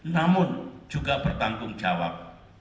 namun juga bertanggung jawab